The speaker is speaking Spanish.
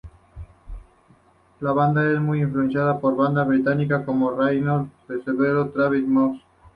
La banda está muy influenciada por bandas británicas como Radiohead, Placebo, Travis y Muse.